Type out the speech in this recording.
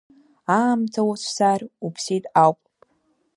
Аамҭа уцәцар уԥсит ауп.